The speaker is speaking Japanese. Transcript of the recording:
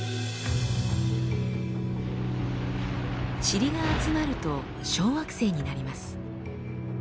チリが集まると小惑星になります。